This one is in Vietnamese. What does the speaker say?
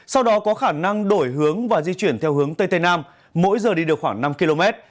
sau đó có khả năng đổi hướng và di chuyển theo hướng tây tây nam mỗi giờ đi được khoảng năm km